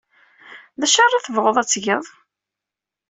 D acu ara tebɣud ad t-tged?